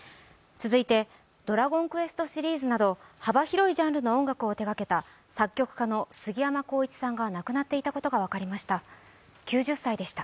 続いて、「ドラゴンクエスト」シリーズなど幅広いジャンルの音楽を手がけた作曲家のすぎやまこういちさんが亡くなっていたことが分かりました。